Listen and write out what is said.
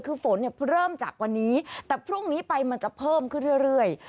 คือฝนเนี่ยเริ่มจากวันนี้แต่พรุ่งนี้ไปมันจะเพิ่มขึ้นเรื่อย